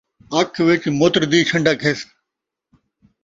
اکھ وچ مُتر دی چھنڈک ہس